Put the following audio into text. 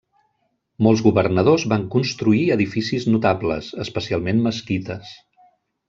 Molts governadors van construir edificis notables, especialment mesquites.